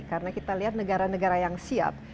karena kita lihat negara negara yang siap